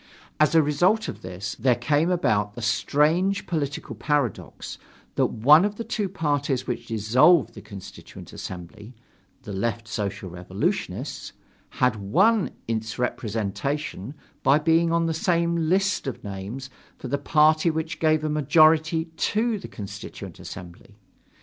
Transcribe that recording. As a result of this, there came about the strange political paradox that one of the two parties which dissolved the Constituent Assembly the Left Social Revolutionists had won its representation by being on the same list of names with the party which gave a majority to the Constituent Assembly.